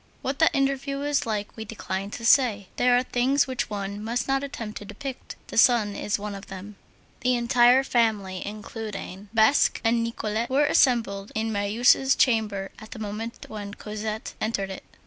What that interview was like we decline to say. There are things which one must not attempt to depict; the sun is one of them. The entire family, including Basque and Nicolette, were assembled in Marius' chamber at the moment when Cosette entered it.